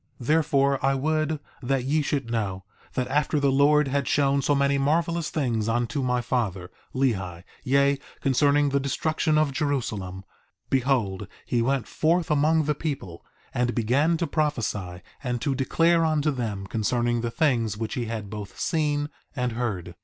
1:18 Therefore, I would that ye should know, that after the Lord had shown so many marvelous things unto my father, Lehi, yea, concerning the destruction of Jerusalem, behold he went forth among the people, and began to prophesy and to declare unto them concerning the things which he had both seen and heard.